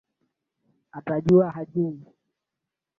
Ni hifadhi ya baharini na hapa utaona matumbawe mbalimbali